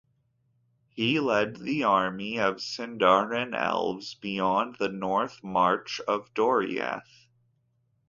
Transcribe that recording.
He led the army of Sindarin Elves beyond the North March of Doriath.